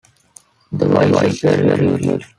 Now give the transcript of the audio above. The visas were refused.